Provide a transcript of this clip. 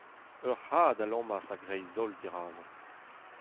Ur c'had a lammas a-greiz-holl dirazañ.